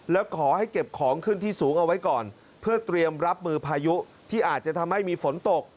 แล้วขอให้เก็บของขึ้นที่สูงเอาไว้ก่อนเพื่อเตรียมรับมือพายุที่อาจจะทำให้มีฝนตก